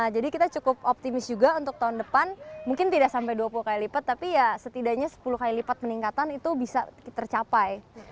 jadi kita cukup optimis juga untuk tahun depan mungkin tidak sampai dua puluh kali lipat tapi ya setidaknya sepuluh kali lipat peningkatan itu bisa tercapai